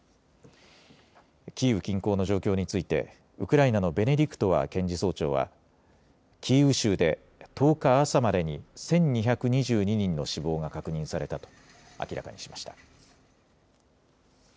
キーウ近郊の状況についてウクライナのベネディクトワ検事総長はキーウ州で１０日朝までに１２２２人の死亡が確認されたと明らかにしました。